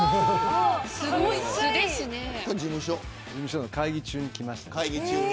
事務所の会議中にきました。